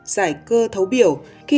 giải cơ thấu biểu khi